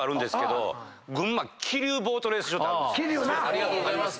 ありがとうございます。